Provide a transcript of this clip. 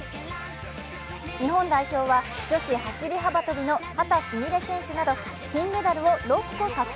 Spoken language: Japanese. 日本代表は女子走り幅跳びの秦澄美鈴選手が金メダルを６個獲得。